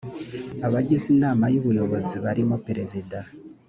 abagize inama y ubuyobozi barimo perezida